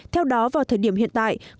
theo đó vào thời điểm hiện tại